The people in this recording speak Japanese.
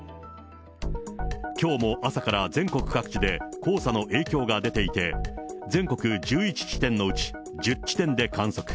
きょうも朝から全国各地で黄砂の影響が出ていて、全国１１地点のうち１０地点で観測。